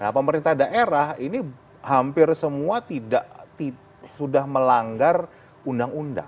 nah pemerintah daerah ini hampir semua sudah melanggar undang undang